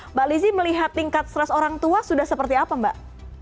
mbak lizzie melihat tingkat stres orang tua sudah seperti apa mbak